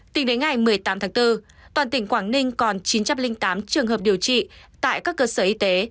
tính đến ngày một mươi tám tháng bốn toàn tỉnh quảng ninh còn chín trăm linh tám trường hợp điều trị tại các cơ sở y tế